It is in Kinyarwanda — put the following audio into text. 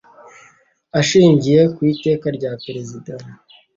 Ashingiye ku Iteka rya Perezida